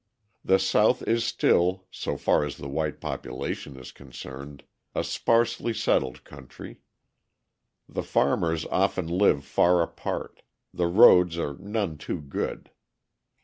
The South is still, so far as the white population is concerned, a sparsely settled country. The farmers often live far apart; the roads are none too good.